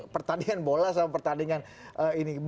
pertandingan bola sama pertandingan ini